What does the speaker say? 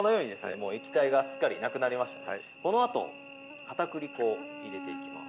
もう液体がすっかりなくなりましたのでこのあと片栗粉を入れていきます